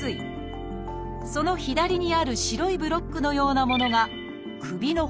その左にある白いブロックのようなものが首の骨。